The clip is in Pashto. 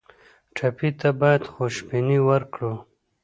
ټپي ته باید خوشبیني ورکړو.